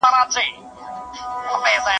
په قلم لیکنه کول د دلایلو د راټولولو لاره ده.